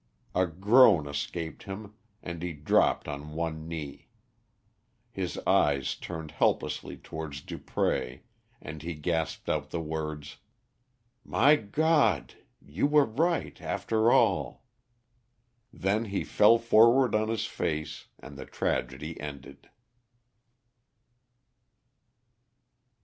A groan escaped him, and he dropped on one knee. His eyes turned helplessly towards Dupré, and he gasped out the words "My God! You were right after all." Then he fell forward on his face and the tragedy ended.